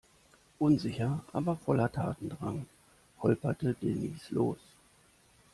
Unsicher, aber voller Tatendrang holperte Denise los.